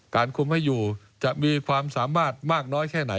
คุมให้อยู่จะมีความสามารถมากน้อยแค่ไหน